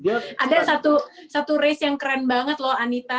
ada satu race yang keren banget loh anita